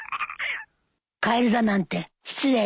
カエルだなんて失礼ね！